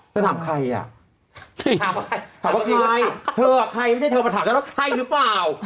แล้วถามใครอ่ะถามว่าใครถามว่าใครเธออ่ะใครไม่ใช่เธอมาถามฉันว่าใครหรือเปล่า